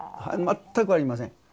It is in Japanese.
全くありません。